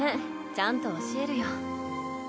ちゃんと教えるよ。